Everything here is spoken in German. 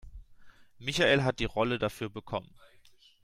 Michael hat die Rolle dafür bekommen.